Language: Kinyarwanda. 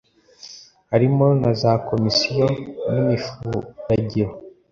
harimo na za komisiyo n imifuragiro